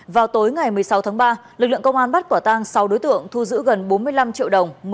vào tối ngày một mươi sáu tháng ba lực lượng công an bắt quả tang sáu đối tượng thu giữ gần bốn mươi năm triệu đồng